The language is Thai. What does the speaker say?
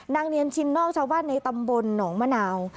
เนียนชินนอกชาวบ้านในตำบลหนองมะนาว